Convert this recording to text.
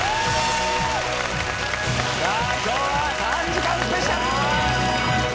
さあ今日は３時間スペシャル！